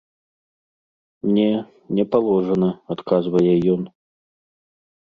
Не, не паложана, адказвае ён.